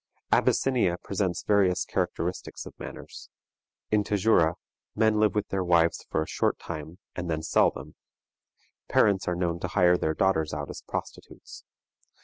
Abyssinia presents various characteristics of manners. In Tajura men live with their wives for a short time, and then sell them. Parents are known to hire their daughters out as prostitutes.